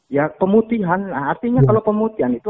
ya pemutihan artinya kalau pemutihan itu